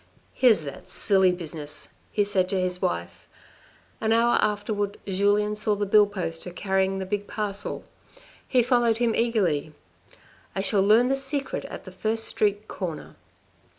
" Here's that silly business," he said to his wife. An hour afterwards Julien saw the bill poster carrying the big parcel. He followed him eagerly. " I shall learn the secret at the first street corner."